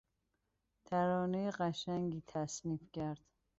ترانهٔ قشنگی تصنیف کرد.